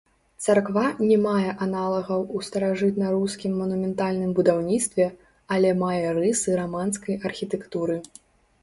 Царква не мае аналагаў у старажытна-рускім манументальным будаўніцтве, але мае рысы раманскай архітэктуры.